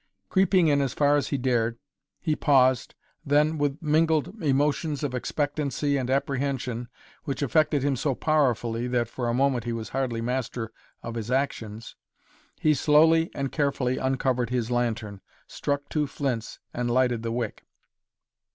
Creeping in as far as he dared, he paused, then, with mingled emotions of expectancy and apprehension which affected him so powerfully that for a moment he was hardly master of his actions, he slowly and carefully uncovered his lantern, struck two flints and lighted the wick.